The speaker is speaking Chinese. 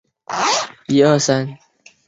筹备委员会与中央手工业管理局合署办公。